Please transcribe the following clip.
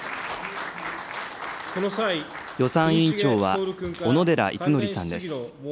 予算委員長は小野寺五典さんです。